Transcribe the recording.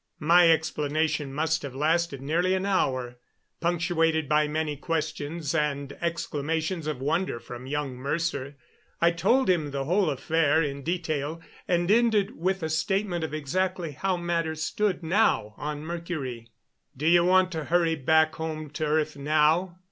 My explanation must have lasted nearly an hour, punctuated by many questions and exclamations of wonder from young Mercer. I told him the whole affair in detail, and ended with a statement of exactly how matters stood now on Mercury. "Do you want to hurry back home to earth now?"